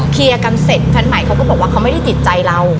คนไหนจ๊ะ